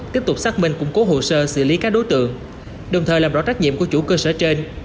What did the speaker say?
tiếp tục xác minh củng cố hồ sơ xử lý các đối tượng đồng thời làm rõ trách nhiệm của chủ cơ sở trên